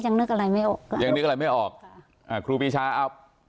ใจเงินกับผู้ขายนะครับ